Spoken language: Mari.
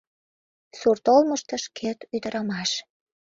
Сурт олмышто — шкет ӱдырамаш.